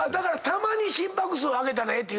たまに心拍数上げたらええ？